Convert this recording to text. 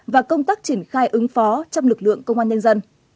và công tác triển khai ứng phó trong lực lượng công an nhân dân